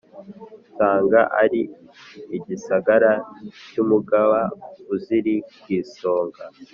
nsanga ari igisagara cy' umugaba uziri kw' isonga.